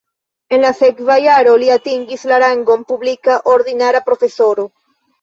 En la sekva jaro li atingis la rangon publika ordinara profesoro.